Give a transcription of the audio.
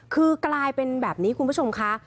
คือกลายเป็นแบบนี้คุณผู้ชมค่ะ